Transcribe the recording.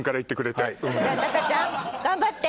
たかちゃん頑張って。